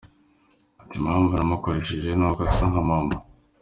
Yagize ati: "Impamvu namukoresheje ni uko asa nka Mama.